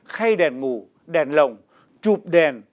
khay đèn ngủ đèn lồng chụp đèn